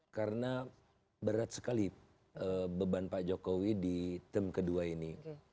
karena berat sekali beban pak jokowi di term kedua ini